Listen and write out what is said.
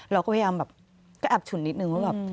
เราก็พยายามแบบก็แอบฉุนนิดนึงว่าแบบ